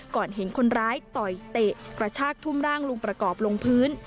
เห็นคนร้ายต่อยเตะกระชากทุ่มร่างลุงประกอบลงพื้น